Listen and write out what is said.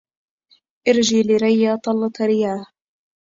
أرج لريا طلة رياه